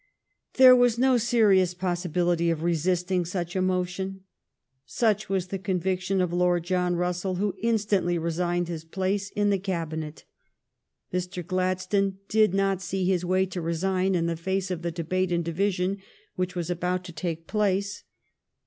There was no serious possibility of resisting such a motion. Such was the con viction of Lord John Russell, who instantly re signed his place in the Cabinet. Mr. Gladstone did not see his way to resign in the face of the debate and division which were about to take place.